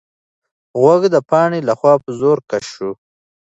غوږ د پاڼې لخوا په زور کش شو.